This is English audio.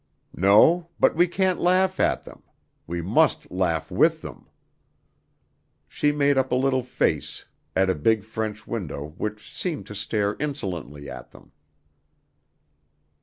"No, but we can't laugh at them; we must laugh with them." She made up a little face at a big French window which seemed to stare insolently at them.